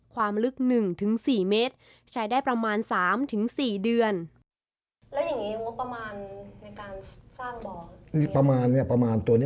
ความลึก๑๔เมตร